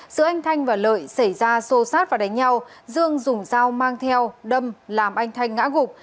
giữa anh thanh và lợi xảy ra xô xát và đánh nhau dương dùng dao mang theo đâm làm anh thanh ngã gục